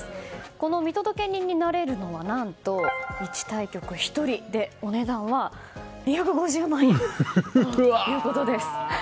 この見届け人になれるのは何と、１対局１人でお値段は２５０万円ということです。